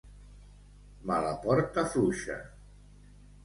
Me la porta fluixa.